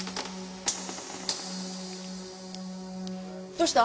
どうした？